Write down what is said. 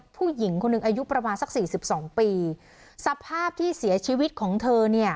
ผู้หญิงคนหนึ่งอายุประมาณสักสี่สิบสองปีสภาพที่เสียชีวิตของเธอเนี่ย